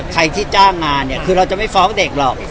ใครที่จ้างงานเนี่ยคือเราจะไม่ฟ้องเด็กหรอก